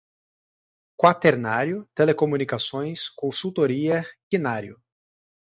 quaternário, telecomunicações, consultoria, quinário